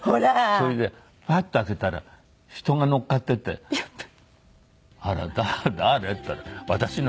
それでパッと開けたら人が乗っかっていて「あら誰？」って言ったら「私の車です」って。